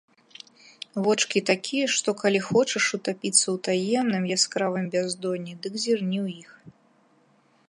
Вочкі такія, што калі хочаш утапіцца ў таемным, яскравым бяздонні, дык зірні ў іх.